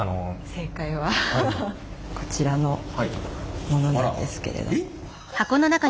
正解はこちらの物なんですけれど。えっ？